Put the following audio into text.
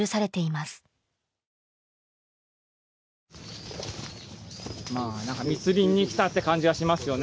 まあなんか密林に来たって感じがしますよね